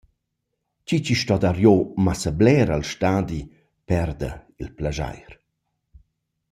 Chi chi sto dar giò massa bler al stadi perda il plaschair.